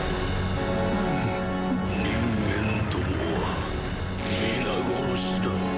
人間どもは皆殺しだ！